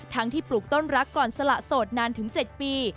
ทั้งที่ปลูกต้นรักก่อนสละโสดนานถึง๗ปี